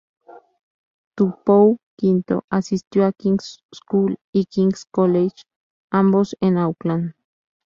Tupou V asistió a King's School y King's College, ambos en Auckland.